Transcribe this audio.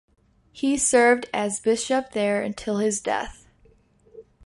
He served as bishop there until his death.